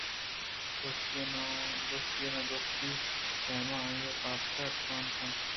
دوستی ءُنا دوستی ءِ پیمءَ آئی ءِ بابتءَترٛان کنت